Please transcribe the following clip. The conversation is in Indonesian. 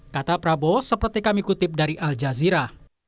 kata prabowo seperti kami kutip dari al jazeera